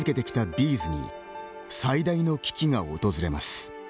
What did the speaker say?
’ｚに最大の危機が訪れます。